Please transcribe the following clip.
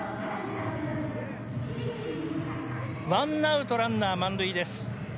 １アウト、ランナー満塁です。